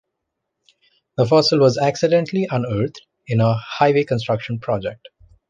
The fossil was accidentally unearthed in a highway construction project.